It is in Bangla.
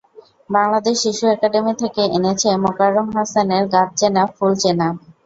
বাংলাদেশ শিশু একাডেমি থেকে এনেছে মোকারম হোসেনের গাছ চেনা ফুল চেনা।